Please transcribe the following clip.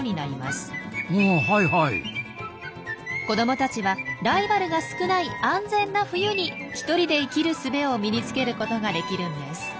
子どもたちはライバルが少ない安全な冬に独りで生きるすべを身につけることができるんです。